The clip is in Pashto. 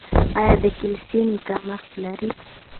ایا د کلسیم کمښت لرئ؟